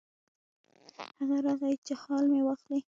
هغه راغی چې حال مې واخلي.